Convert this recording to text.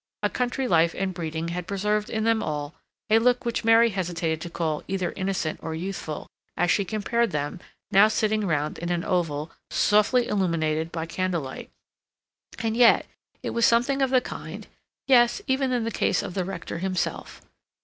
A country life and breeding had preserved in them all a look which Mary hesitated to call either innocent or youthful, as she compared them, now sitting round in an oval, softly illuminated by candlelight; and yet it was something of the kind, yes, even in the case of the Rector himself.